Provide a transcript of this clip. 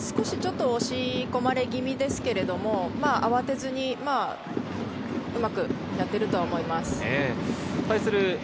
押し込まれ気味ですけれど、慌てずにうまくやっていると思います。